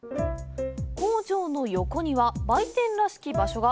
工場の横には売店らしき場所が！